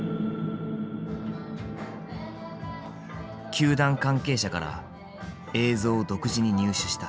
球団関係者から映像を独自に入手した。